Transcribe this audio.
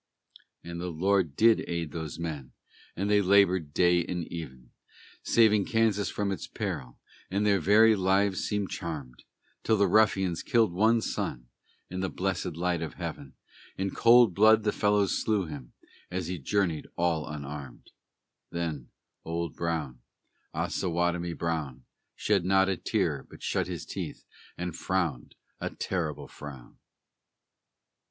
And the Lord did aid these men, and they labored day and even, Saving Kansas from its peril; and their very lives seemed charmed, Till the ruffians killed one son, in the blessed light of Heaven, In cold blood the fellows slew him, as he journeyed all unarmed; Then Old Brown, Osawatomie Brown, Shed not a tear, but shut his teeth, and frowned a terrible frown!